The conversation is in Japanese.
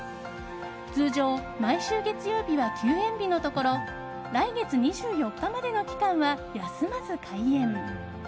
通常、毎週月曜日は休園日のところ来月２４日までの期間は休まず開園。